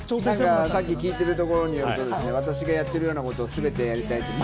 さっき聞いてるところによると、私がやってるようなことを全てやりたいと。